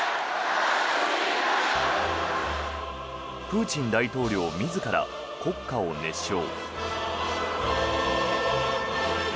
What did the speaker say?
プーチン大統領自ら国歌を熱唱。